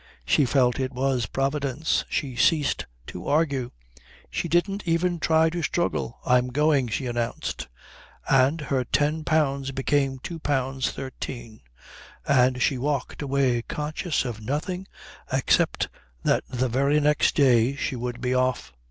She felt it was Providence. She ceased to argue. She didn't even try to struggle. "I'm going," she announced. And her ten pounds became two pounds thirteen, and she walked away conscious of nothing except that the very next day she would be off.